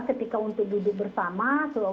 ketika untuk duduk bersama